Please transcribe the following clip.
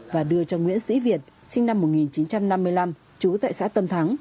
và đưa cho nguyễn sĩ việt sinh năm một nghìn chín trăm năm mươi năm trú tại xã tâm thắng